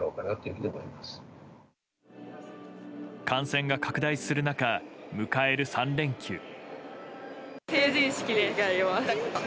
感染が拡大する中迎える３連休。